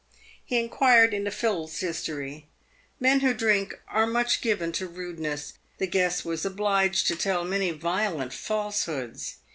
He inquired into Phil's history. Men who drink are much given to rudeness. The guest was obliged to tell many violent falsehoods.